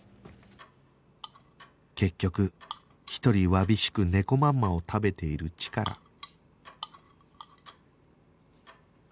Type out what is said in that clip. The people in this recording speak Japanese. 結局独りわびしくねこまんまを食べているチカラ